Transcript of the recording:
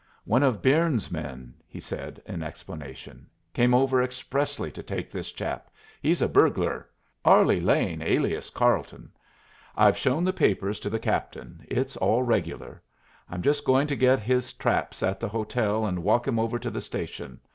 "One of Byrnes's men," he said, in explanation; "came over expressly to take this chap. He's a burglar; 'Arlie' Lane, alias Carleton. I've shown the papers to the captain. It's all regular. I'm just going to get his traps at the hotel and walk him over to the station.